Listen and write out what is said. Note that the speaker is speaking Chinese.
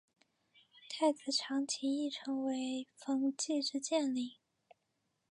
太子长琴亦成为焚寂之剑灵。